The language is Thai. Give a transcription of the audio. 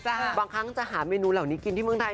บางครั้งจะหาเมนูเหล่านี้กินที่เมืองไทย